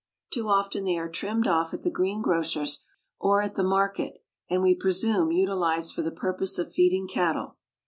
Too often they are trimmed off at the greengrocer's or at the market, and, we presume, utilised for the purpose of feeding cattle.